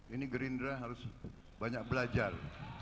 ini gerindra harus banyak belajar